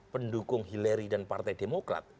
pendukung hillary dan partai demokrat